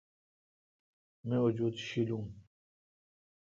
می۔ وجود شیلون۔